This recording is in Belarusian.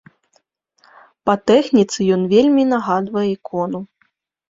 Па тэхніцы ён вельмі нагадвае ікону.